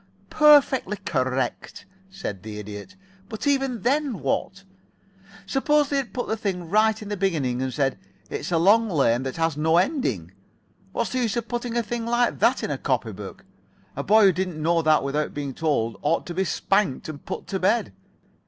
"Perfectly correct," said the Idiot. "But even then, what? Suppose they had put the thing right in the beginning and said 'it's a long lane that has no ending.' What's the use of putting a thing like that in a copy book? A boy who didn't know that without being told ought to be spanked and put to bed.